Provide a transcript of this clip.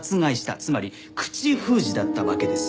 つまり口封じだったわけです。